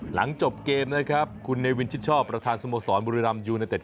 หลังจบเกมนะครับคุณเนวินชิดชอบประธานสโมสรบุรีรำยูเนเต็